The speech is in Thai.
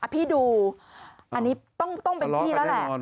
พี่ดูอันนี้ต้องเป็นพี่แล้วแหละทะเลาะกันแน่นอน